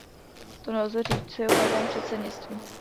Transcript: To nelze říci o každém předsednictví.